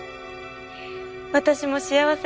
私も幸せ。